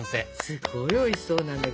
すごいおいしそうなんだけど。